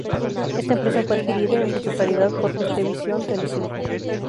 Esta empresa fue adquirida, en su totalidad, por Gestevisión Telecinco.